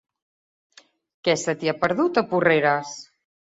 Què se t'hi ha perdut, a Porreres?